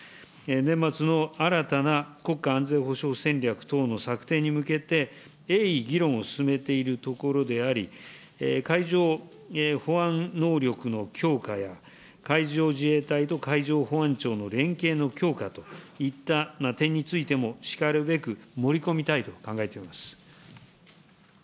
年末の新たな国家安全保障戦略等の策定に向けて鋭意、議論を進めているところであり、海上保安能力の強化や、海上自衛隊と海上保安庁の連携の強化といった点についても、しかるべく盛り込みたいと考えています。